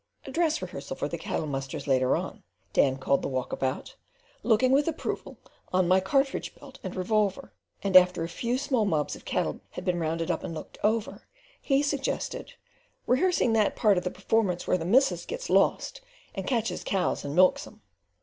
"A dress rehearsal for the cattle musters later on," Dan called the walk about, looking with approval on my cartridge belt and revolver; and after a few small mobs of cattle had been rounded up and looked over, he suggested "rehearsing that part of the performance where the missus gets lost, and catches cows and milks 'em."